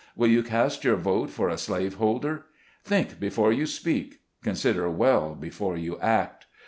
Will you cast your vote for a slave holder ? Think before you speak; consider well before you act.